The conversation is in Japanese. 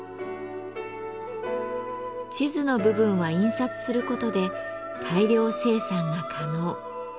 地図の部分は印刷することで大量生産が可能。